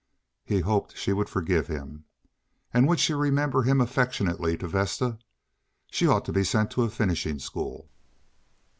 He hoped she would forgive him. And would she remember him affectionately to Vesta? She ought to be sent to a finishing school.